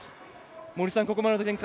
森さん、ここまでの展開